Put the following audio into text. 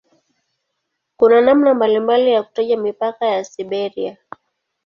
Kuna namna mbalimbali ya kutaja mipaka ya "Siberia".